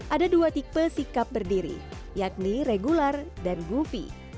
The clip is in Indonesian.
ada dua tipe sikap berdiri yakni regular dan goofee